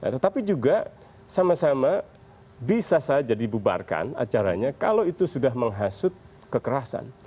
tetapi juga sama sama bisa saja dibubarkan acaranya kalau itu sudah menghasut kekerasan